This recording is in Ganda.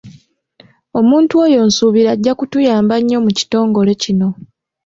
Omuntu oyo nsuubira ajja kutuyamba nnyo mu kitongole kino.